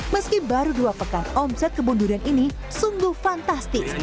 meski baru dua pekan omset kebun durian ini sungguh fantastis